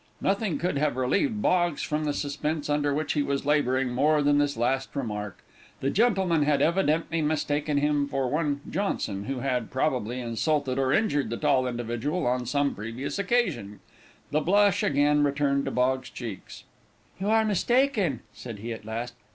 Nothing could have relieved Boggs from the suspense under which he was laboring more than this last remark. The gentleman had evidently mistaken him for one Johnson, who had, probably, insulted or injured the tall individual, on some previous occasion. The blush again returned to Boggs' cheeks. "You are mistaken," said he, at last.